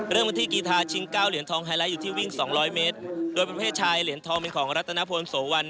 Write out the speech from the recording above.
เริ่มกันที่กีธาชิงเก้าเหรียญทองไฮไลท์อยู่ที่วิ่งสองร้อยเมตรโดยประเภทชายเหรียญทองเป็นของรัตนพลโสวัน